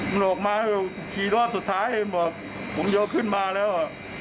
มันออกมาขี่รอบสุดท้ายเองบอกผมโยนขึ้นมาแล้ว